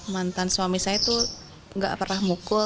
mantan suami saya itu nggak pernah mukul